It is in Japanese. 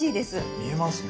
見えますね。